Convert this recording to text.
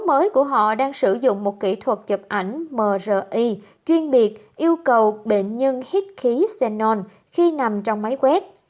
những người mới của họ đang sử dụng một kỹ thuật chụp ảnh mri chuyên biệt yêu cầu bệnh nhân hít khí xenon khi nằm trong máy quét